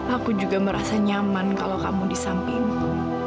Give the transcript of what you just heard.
aku juga merasa nyaman kalau kamu di sampingku